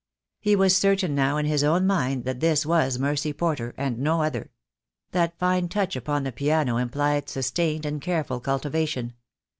He was certain now in his own mind that this was Mercy Porter and no other. That fine touch upon the piano implied sustained and careful cultivation.